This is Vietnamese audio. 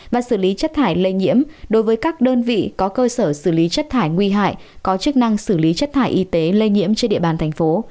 và xử lý chất thải lây nhiễm đối với các đơn vị có cơ sở xử lý chất thải nguy hại có chức năng xử lý chất thải y tế lây nhiễm trên địa bàn thành phố